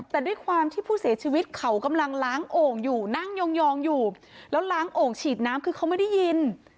แต่ด้วยความที่ผู้เสียชีวิตเขากำลังล้างโอ่งอยู่นั่งยองอยู่แล้วล้างโอ่งฉีดน้ำคือเขาไม่ได้ยิน